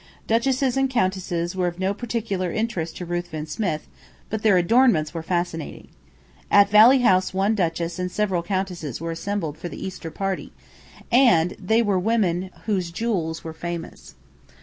Duchesses and countesses were of no particular interest to Ruthven Smith, but their adornments were fascinating. At Valley House one duchess and several countesses were assembled for the Easter party, and they were women whose jewels were famous.